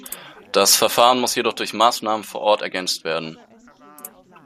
Das Verfahren muss jedoch durch Maßnahmen vor Ort ergänzt werden.